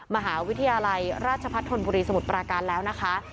มหาวิทยาลัยราชพัฒนธนบุรีสมุทรปราการแล้วนะคะ